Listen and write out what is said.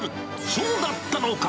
そうだったのか！